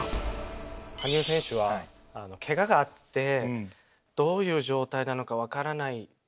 羽生選手はけががあってどういう状態なのか分からない。